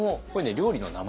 料理の名前。